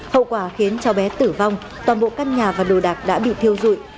hậu quả khiến cháu bé tử vong toàn bộ căn nhà và đồ đạc đã bị thiêu dụi